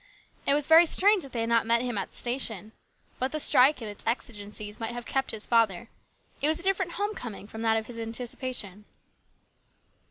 It was very strange that they had not met him at the station. But the strike and its exigencies might have kept his father ; it was a different home coming from that of his anticipation.